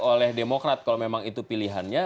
oleh demokrat kalau memang itu pilihannya